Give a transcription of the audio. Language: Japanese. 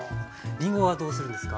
りんごはどうするんですか？